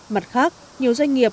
mặt khác nhiều doanh nghiệp